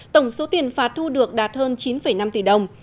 tổng số tiền phạt thu được đạt hơn chín năm tỷ đồng